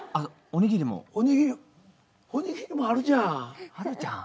お握りもあるじゃん。